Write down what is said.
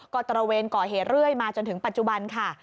ก็ตระเวนก่อเหตุเรื่อยมาจนถึงปัจจุบันค่ะ